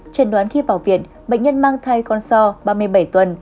trần đoán khi vào viện bệnh nhân mang thai con so ba mươi bảy tuần